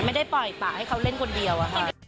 ไม่ได้ปล่อยปะให้เขาเล่นคนเดียวอะค่ะ